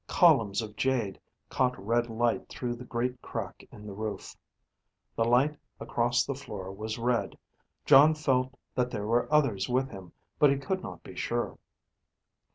Columns of jade caught red light through the great crack in the roof. The light across the floor was red. Jon felt that there were others with him, but he could not be sure.